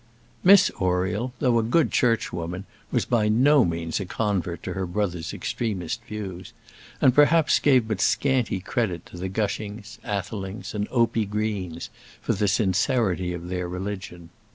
Miss Oriel, though a good Churchwoman, was by no means a convert to her brother's extremist views, and perhaps gave but scanty credit to the Gushings, Athelings, and Opie Greens for the sincerity of their religion.